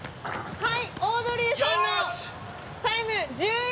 はい。